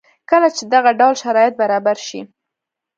کله چې دغه ډول شرایط برابر شي